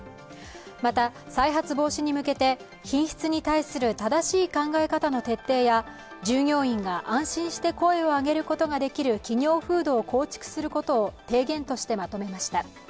また、再発防止に向けて品質に対する正しい考え方の徹底や従業員が安心して声を上げることができる企業風土を構築することを提言としてまとめました。